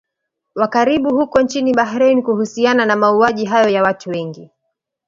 wa karibu huko nchini Bahrain kuhusiana na mauaji hayo ya watu wengi